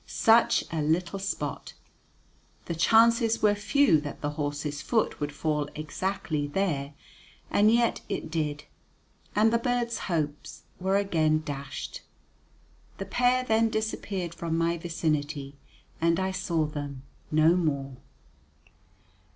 Such a little spot, the chances were few that the horse's foot would fall exactly there; and yet it did, and the birds' hopes were again dashed. The pair then disappeared from my vicinity, and I saw them no more.